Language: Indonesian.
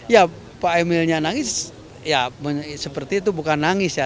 ya pak emilnya nangis ya seperti itu bukan nangis ya